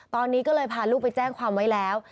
ตอนนี้ก็เลยพาลูกไปแจ้งความไว้แล้ว